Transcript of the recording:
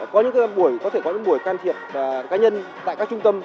có những buổi can thiệp cá nhân tại các trung tâm